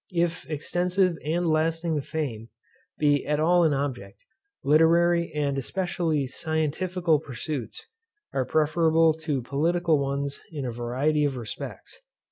If extensive and lasting fame be at all an object, literary, and especially scientifical pursuits, are preferable to political ones in a variety of respects.